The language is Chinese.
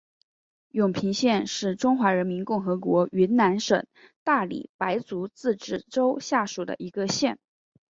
永平县是中华人民共和国云南省大理白族自治州下属的一个县。